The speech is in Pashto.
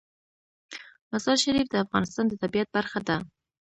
مزارشریف د افغانستان د طبیعت برخه ده.